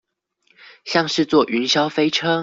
像是坐雲霄飛車